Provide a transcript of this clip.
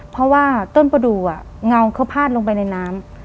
เพราะว่าต้นประดูกเงาเขาพาดลงไปในน้ำ